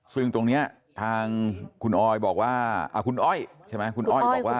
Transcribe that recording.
ซึ่งตรงนี้ทางคุณออยบอกว่าคุณอ้อยใช่ไหมคุณอ้อยบอกว่า